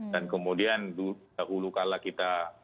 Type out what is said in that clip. dan kemudian dahulu kala kita